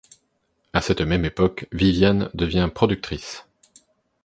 À cette même époque, Viviane devient productrice.